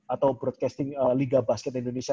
atau broadcasting liga basket indonesia